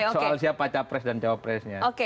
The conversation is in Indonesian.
soal siapa capres dan cowok presnya